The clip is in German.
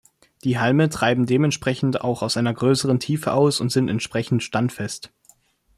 Die Halme treiben dementsprechend auch aus einer größeren Tiefe aus und sind entsprechend standfest.